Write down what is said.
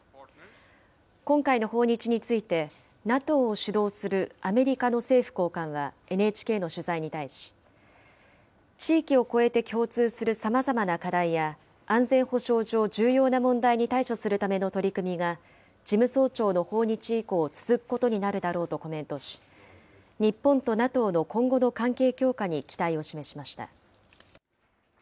今回の訪日について、ＮＡＴＯを主導するアメリカの政府高官はＮＨＫの取材に対し、地域をこえて共通するさまざまな課題や、安全保障上、重要な問題に対処するための取り組みが、事務総長の訪日以降、続くことになるだろうとコメントし、日本とＮＡＴＯの今後の関係強化に期待を示しました。